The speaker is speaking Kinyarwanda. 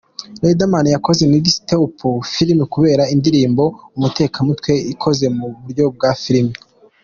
Riderman yakoze MixTape Filime kubera indirimbo 'Umutekamutwe' ikoze mu buryo bwa Filime.